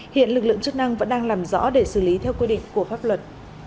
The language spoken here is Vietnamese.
hiện lực lượng chức năng vẫn đang làm rõ để xử lý theo quy định của pháp luật